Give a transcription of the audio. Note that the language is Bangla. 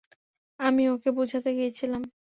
আমি ওকে বুঝাতে গিয়েছিলাম।